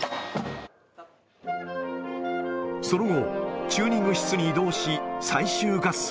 その後、チューニング室に移動し、最終合奏。